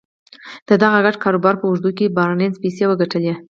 د دغه ګډ کاروبار په اوږدو کې بارنس پيسې وګټلې.